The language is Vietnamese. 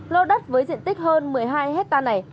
lô đất với diện tích hơn một mươi hai hectare này